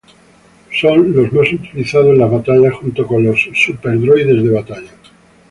Son los más utilizados en las batallas, junto con los Super droides de batalla.